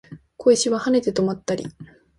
小石は跳ねて止まったり